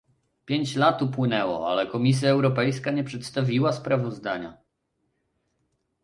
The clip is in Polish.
Pięć lat upłynęło, ale Komisja Europejska nie przedstawiła sprawozdania